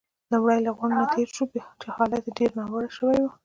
لومړی له غونډ نه تېر شوو، چې حالت يې ډېر ناوړه شوی وو.